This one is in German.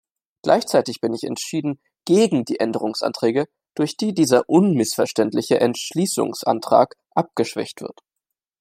Gleichzeitig bin ich entschieden gegen die Änderungsanträge, durch die dieser unmissverständliche Entschließungsantrag abgeschwächt wird.